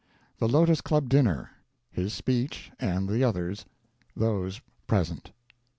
The Lotos Club Dinner His Speech and the Others Those Present.